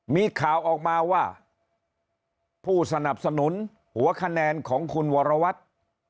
มีข่าวออกมาว่าผู้สนับสนุนหัวคะแนนของคุณวรวัตร